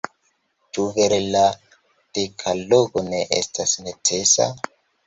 Ĉu vere la dekalogo ne estas necesa?